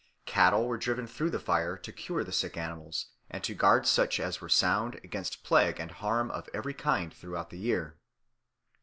Cattle were driven through the fire to cure the sick animals and to guard such as were sound against plague and harm of every kind throughout the year.